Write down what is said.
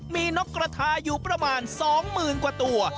มีนกกระทาอยู่ประมาณ๒๐๐๐กว่าตัว